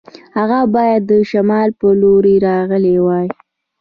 هغه باید د شمال په لور راغلی وای.